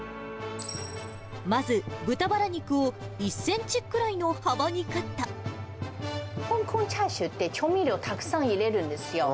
まず、豚バラ肉を１センチくらい香港チャーシューって、調味料たくさん入れるんですよ。